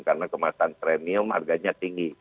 karena kemaratan premium harganya tinggi